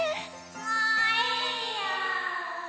もういいよ。